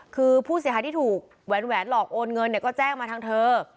คือผู้เสียหายที่ถูกแหวนหลอกโอนเงินเนี่ยก็แจ้งมาทางเธอ